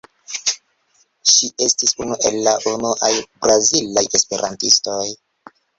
Ŝi estis unu el la unuaj brazilaj esperantistoj.